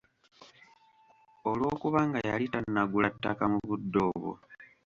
Olw'okubanga yali tannagula ttaka mu budde obwo.